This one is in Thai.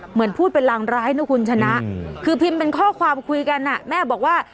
เหมือนพูดเป็นรางร้ายนะคุณชนะคือพิมพ์เป็นข้อความคุยกันแม่บอกว่า